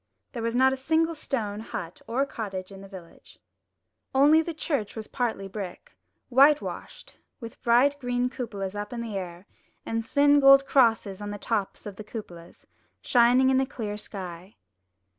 There was not a single stone hut or cottage in the village. Only the church was 225 MY BOOK HOUSE partly brick, whitewashed, with bright green cupolas up in the air, and thin gold crosses on the tops of the cupolas, shining in the clear sky.